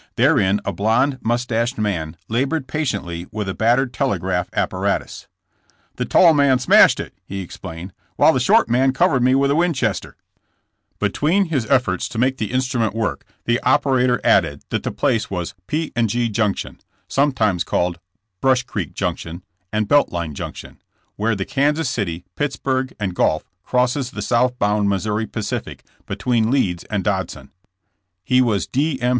Therein a blonde mustached man labored patiently with a bat tered telegraph apparatus. '' The tall man smashed it, '' he explained, '* while the short man covered me with a Winchester !'' Between his efforts to make 'the instrument 114 JESS« JAMES. work the operator added that the place was *'P. & G, Junction/' sometimes called Brush Creek junction and Belt Line junction, where the Kansas City, Pitts burg & Gulf crosses the southbound Missouri Pacific, between Leeds and Dodson. He was D. M.